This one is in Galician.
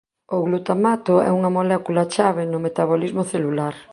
O glutamato é unha molécula chave no metabolismo celular.